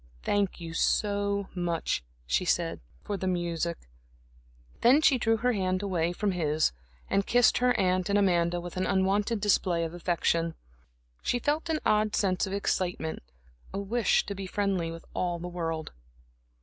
"Thank you so much," she said "for the music." Then she drew her hand away from his and kissed her aunt and Amanda, with an unwonted display of affection. She felt an odd sense of excitement, a wish to be friendly with all the world.